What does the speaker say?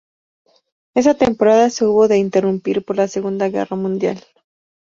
Esa temporada se hubo de interrumpir por la Segunda Guerra Mundial.